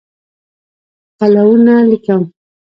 پلونه لیکم